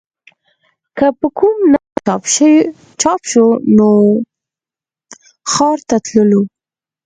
که به کوم نوی کتاب چاپ شو نو ښار ته تللو